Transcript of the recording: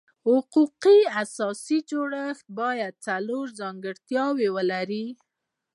حقوقي او سیاسي جوړښت باید څلور ځانګړتیاوې ولري.